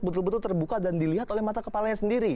betul betul terbuka dan dilihat oleh mata kepalanya sendiri